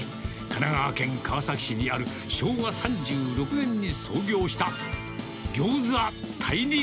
神奈川県川崎市にある、昭和３６年に創業した、餃子太陸。